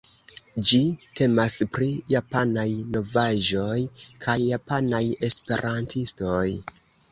Ĝi temas pri Japanaj novaĵoj kaj japanaj esperantistoj.